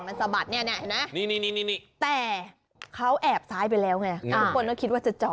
มันสะบัดเนี่ยแต่เขาแอบซ้ายไปแล้วไง